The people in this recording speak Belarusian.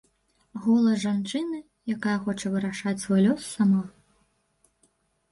Голас жанчыны, якая хоча вырашаць свой лёс сама.